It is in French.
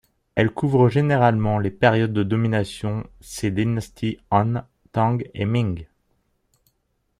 Elle couvre généralement les périodes de domination ses dynasties Han, Tang et Ming.